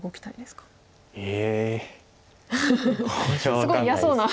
すごい嫌そうな。